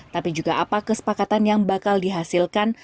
tapi juga apa kesepakatan yang bakal dihasilkan